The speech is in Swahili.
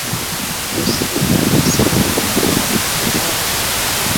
virusi hivi vinasambaa na kuambukiza watu wengi